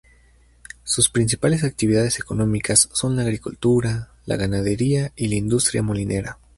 Sus principales actividades económicas son la agricultura, la ganadería y la industria molinera.